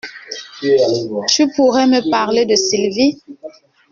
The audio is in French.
Tu pourrais me parler de Sylvie?